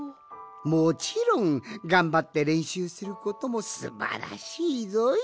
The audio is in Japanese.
もちろんがんばってれんしゅうすることもすばらしいぞい！